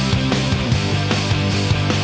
มันอยู่ที่หัวใจ